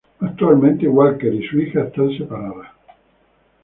Actualmente, Walker y su hija están separadas.